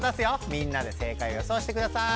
みんなで正解よそうしてください。